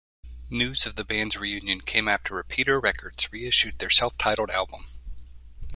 News of the bands reunion came after Repeater Records reissued their self-titled album.